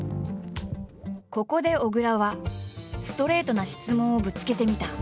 ここで小倉はストレートな質問をぶつけてみた。